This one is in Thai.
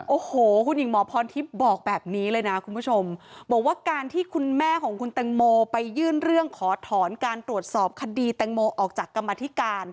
โอ้โหคุณหญิงหมอพรทิพย์บอกแบบนี้เลยนะคุณผู้ชมบอกว่าการที่คุณแม่ของคุณแตงโมไปยื่นเรื่องขอถอนการตรวจสอบคดีแตงโมออกจากกรรมธิการ